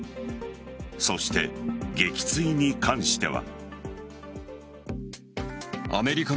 そして撃墜に関しては。